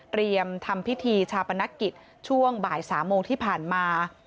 ทำพิธีชาปนกิจช่วงบ่าย๓โมงที่ผ่านมา